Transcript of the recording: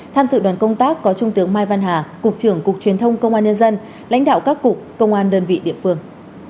tham dự đoàn công tác có trung tướng mai văn hà cục trưởng cục truyền thông công an nhân dân lãnh đạo các cục công an đơn vị địa phương